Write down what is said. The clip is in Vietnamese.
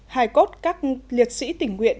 hài cốt các liệt sĩ tỉnh nguyện